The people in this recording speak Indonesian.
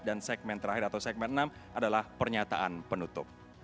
segmen terakhir atau segmen enam adalah pernyataan penutup